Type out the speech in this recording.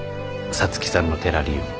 皐月さんのテラリウム。